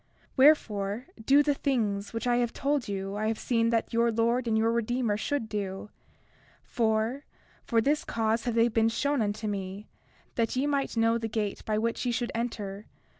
31:17 Wherefore, do the things which I have told you I have seen that your Lord and your Redeemer should do; for, for this cause have they been shown unto me, that ye might know the gate by which ye should enter.